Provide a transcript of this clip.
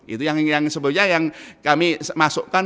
itu yang sebenarnya yang kami masukkan